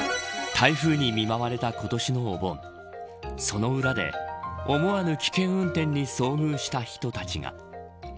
台風に見舞われた今年のお盆その裏で思わぬ危険運転に遭遇した人たちが。